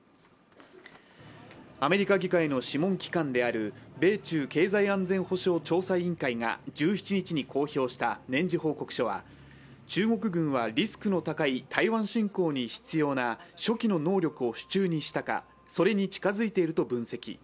アメリカ議会の諮問機関である米中経済安全保障調査委員会が１７日に公表した年次報告書は、中国軍はリスクの高い台湾侵攻に必要な初期の能力を手中にしたかそれに近づいていると分析。